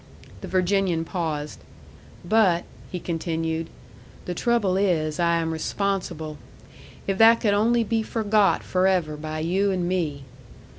The Virginian paused. "But," he continued, "the trouble is, I am responsible. If that could only be forgot forever by you and me!"